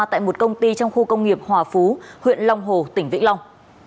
tại một công ty trong khu công nghiệp hòa phú huyện long hồ tỉnh vĩnh long